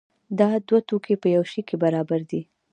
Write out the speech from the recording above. دا دوه توکي په یو شي کې برابر دي.